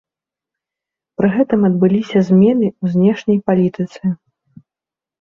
Пры гэтым адбыліся змены ў знешняй палітыцы.